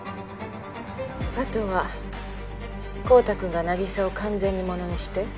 あとは昊汰君が凪沙を完全にものにして。